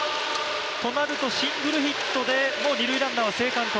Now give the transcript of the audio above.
となるとシングルヒットで二塁ランナーは生還と。